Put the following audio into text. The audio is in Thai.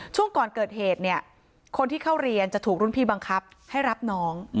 ช่วงก่อนเกิดเหตุเนี่ยคนที่เข้าเรียนจะถูกรุ่นพี่บังคับให้รับน้อง